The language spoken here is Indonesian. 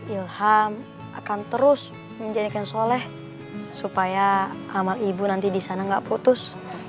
ilham akan terus menjadikan soleh supaya amal ibu nanti disana gak putus